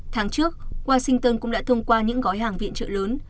tháng trước washington cũng đã thông qua những gói hàng viện trợ lớn